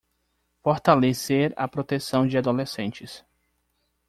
Fortalecer a proteção de adolescentes